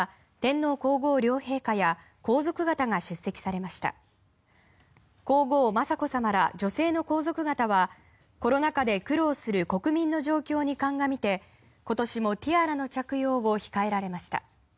皇后・雅子さまら女性の皇族方はコロナ禍で苦労する国民の状況に鑑みて今年もティアラの着用を控えられました。